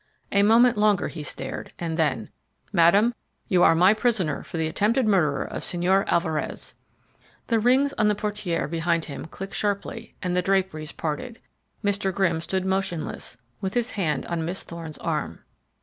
A moment longer he stared, and then: "Madam, you are my prisoner for the attempted murder of Señor Alvarez!" The rings on the portières behind him clicked sharply, and the draperies parted. Mr. Grimm stood motionless, with his hand on Miss Thorne's arm.